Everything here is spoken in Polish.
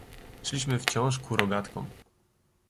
"Szliśmy wciąż ku rogatkom."